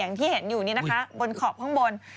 อย่างที่เห็นอยู่นี่นะคะบนขอบข้างบน